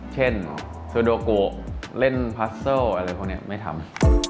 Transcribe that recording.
เช่นโซโดโกเล่นพัสเซอร์อะไรพวกนี้ไม่ทำ